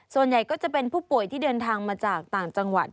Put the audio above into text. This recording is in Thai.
ส่วนใหญ่ก็จะเป็นผู้ป่วยที่เดินทางมาจากต่างจังหวัด